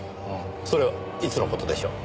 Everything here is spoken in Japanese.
それはいつの事でしょう？